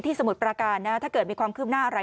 ที่สมุดประกันนะถ้าเกิดมีความขึ้นหน้าอะไร